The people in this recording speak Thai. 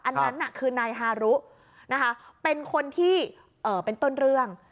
อันนั้นน่ะคือนายฮารุนะคะเป็นคนที่เป็นต้นเรื่อง